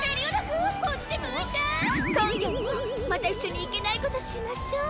今夜もまた一緒にいけないことしましょ。